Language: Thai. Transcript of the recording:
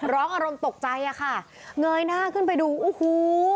อารมณ์ตกใจอะค่ะเงยหน้าขึ้นไปดูโอ้โห